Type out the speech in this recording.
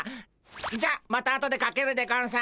じゃあまたあとでかけるでゴンス。